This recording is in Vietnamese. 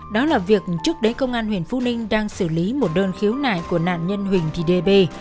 đó là việc trước đấy công an huyện phú ninh đang xử lý một đơn khiếu nại của nạn nhân huỳnh thị db